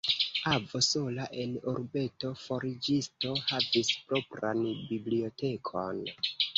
Avo, sola en urbeto forĝisto, havis propran bibliotekon.